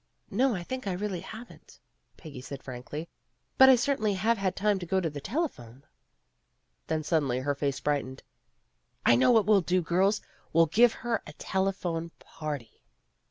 "No, I think I really haven't," Peggy said frankly. "But I certainly have had time to go to the telephone." Then suddenly her face brightened. *' I know what we '11 do, girls ; we '11 give her a telephone party."